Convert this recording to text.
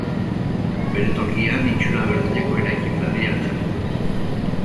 Bere tokian, itxura berdineko eraikin berria altxatu da.